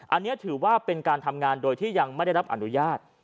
อันนี้ถือว่าเป็นการทำงานโดยที่ยังไม่ได้รับอนุญาต